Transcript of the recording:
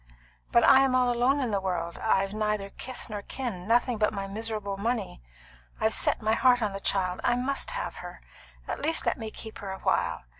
But I'm all alone in the world; I've neither kith nor kin; nothing but my miserable money. I've set my heart on the child; I must have her. At least let me keep her a while.